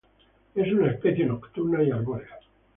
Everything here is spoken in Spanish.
Es una especie nocturna y arbórea.